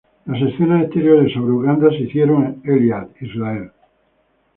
Las escenas exteriores sobre Uganda se hicieron en Eilat, Israel.